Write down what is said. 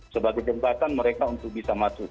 sebagai jembatan mereka untuk bisa masuk